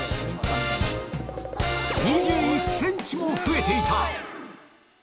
２１センチも増えていた。